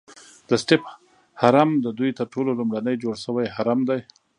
د سټیپ هرم ددوی تر ټولو لومړنی جوړ شوی هرم دی.